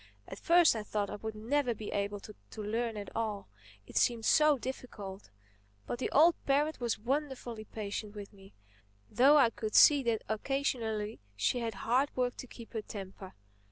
At first I thought I would never be able to learn at all—it seemed so difficult. But the old parrot was wonderfully patient with me—though I could see that occasionally she had hard work to keep her temper.